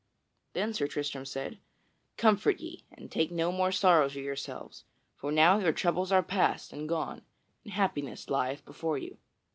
Then Sir Tristram said: "Comfort ye, and take no more sorrow to yourselves, for now your troubles are past and gone, and happiness lieth before you.